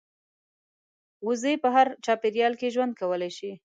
وزې په هر چاپېریال کې ژوند کولی شي